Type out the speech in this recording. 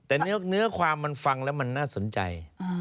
แต่เนื้อความมันฟังแล้วมันน่าสนใจ